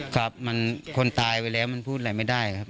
ครับมันคนตายไปแล้วมันพูดอะไรไม่ได้ครับ